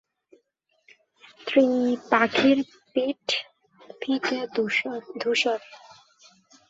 স্ত্রী পাখির পিঠ ফিকে ধূসর।